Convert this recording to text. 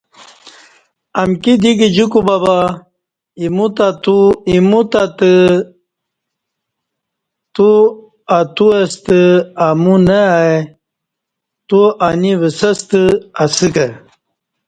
امکی دی گجی کوبہ بہ اِیمو تہ تو اتو استہ امو نہ ائی تو انی وسہ ستہ اسہ کہ